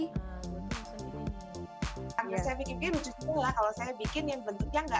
pertanyaannya apakah terakhir ini akan menjadi perancang yang terbaik